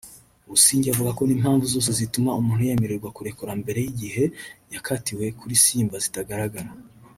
Busingye avuga ko n’impamvu zose zituma umuntu yemererwa kurekurwa mbere y’igihe yakatiwe kuri Simba zitagaragara